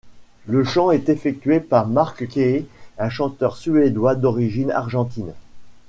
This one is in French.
Le chant est effectué par Marc Quee, un chanteur suédois d'origine argentine.